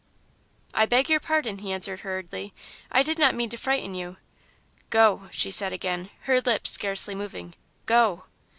"I beg your pardon," he answered, hurriedly, "I did not mean to frighten you." "Go!" she said again, her lips scarcely moving, "Go!"